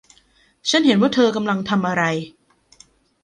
ฉันเห็นว่าเธอกำลังทำอะไร